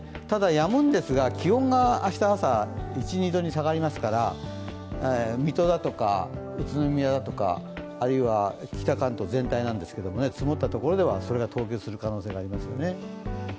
ただ、やむんですが気温が明日朝、１２度に下がりますから、水戸だとか宇都宮だとかあるいは北関東全体なんですが積もった所ではそれが凍結する可能性がありますよね。